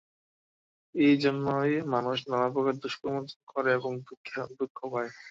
এই জন্যই মানুষ নানাপ্রকার দুষ্কর্ম করে এবং দুঃখ পায়।